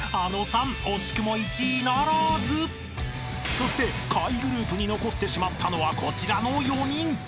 ［そして下位グループに残ってしまったのはこちらの４人］